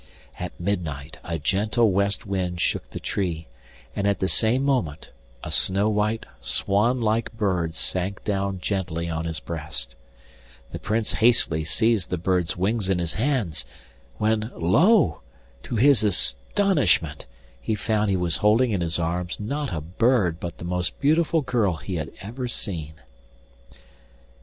At midnight a gentle west wind shook the tree, and at the same moment a snow white swan like bird sank down gently on his breast. The Prince hastily seized the bird's wings in his hands, when, lo! to his astonishment he found he was holding in his arms not a bird but the most beautiful girl he had ever seen.